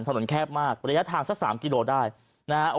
ถนนแคบมากประยาทางซะ๓กิโลบันได้